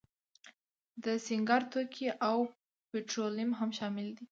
د سینګار توکي او پټرولیم هم شامل دي.